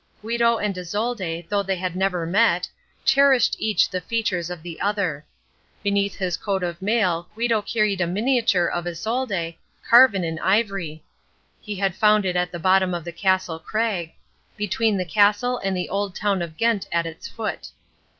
Guido and Isolde, though they had never met, cherished each the features of the other. Beneath his coat of mail Guido carried a miniature of Isolde, carven on ivory. He had found it at the bottom of the castle crag, between the castle and the old town of Ghent at its foot.